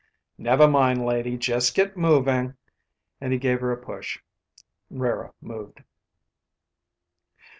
"Never mind, lady. Just get moving," and he gave her a push. Rara moved.